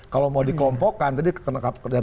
kalau mau dikelompokkan